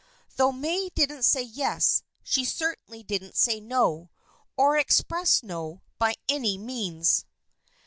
Though May didn't say yes, she certainly didn't say no, or express no, by any means.